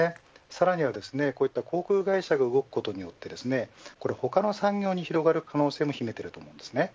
さらには航空会社が動くことによって他の産業に広がる可能性も秘めています。